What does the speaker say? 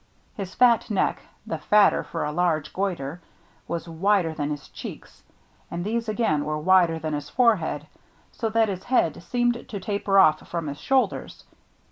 His fat neck — the fatter for a large goitre — was wider than his cheeks, and these again were wider than his forehead, so that his head seemed to taper off from his shoulders.